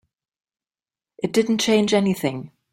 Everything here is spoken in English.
It didn't change anything.